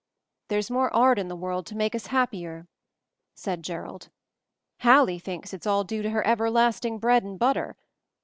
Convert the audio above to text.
"There's more art in the world to make us happier," said Jerrold. Hallie thinks it's all due to her everlasting bread and butter.